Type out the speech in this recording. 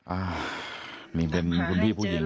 อ่านี่เป็นคุณพี่ผู้หญิง